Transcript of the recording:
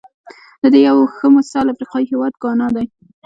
د دې یو ښه مثال افریقايي هېواد ګانا دی.